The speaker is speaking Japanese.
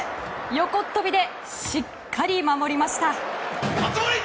横っ飛びでしっかり守りました。